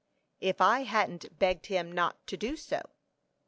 "If I hadn't begged him not to do so."